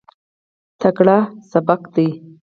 تکړه سبکه ده.